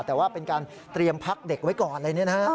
แต่ว่าเป็นการเตรียมพักเด็กไว้ก่อนอะไรเนี่ยนะฮะ